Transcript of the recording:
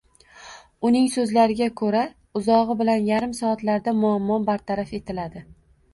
Uning soʻzlariga koʻra, uzogʻi bilan yarim soatlarda muammo bartaraf etiladi.